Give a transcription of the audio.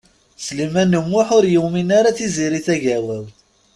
Sliman U Muḥ ur yumin ara Tiziri Tagawawt.